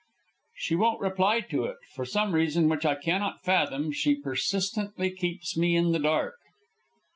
"She won't reply to it. For some reason which I cannot fathom she persistently keeps me in the dark."